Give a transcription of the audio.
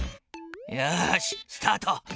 よしスタート。